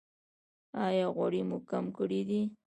ایا غوړي مو کم کړي دي؟